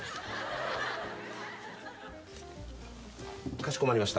かしこまりました。